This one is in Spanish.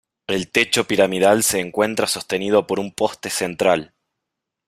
El techo piramidal se encuentra sostenido por un poste central.